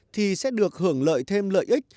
thì sẽ được hưởng lợi thêm lợi ích